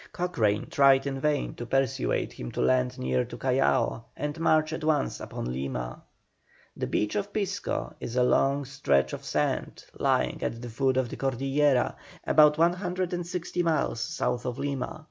Cochrane tried in vain to persuade him to land near to Callao and march at once upon Lima. The beach of Pisco is a long stretch of sand, lying at the foot of the Cordillera, about 160 miles south of Lima.